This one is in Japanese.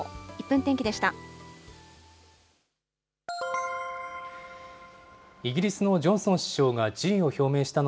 １分天気でした。